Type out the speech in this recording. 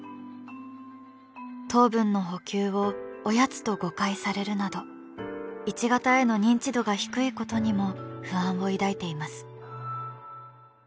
糖分の補給をおやつと誤解されるなど１型への認知度が低いことにも不安を抱いています。